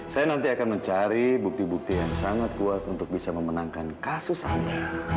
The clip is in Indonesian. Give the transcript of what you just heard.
saya nanti akan mencari bukti bukti yang sangat kuat untuk bisa memenangkan kasus anda